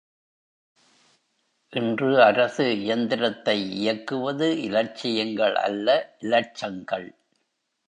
இன்று அரசு இயந்திரத்தை இயக்குவது இலட்சியங்கள் அல்ல இலட்சங்கள்.